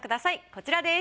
こちらです。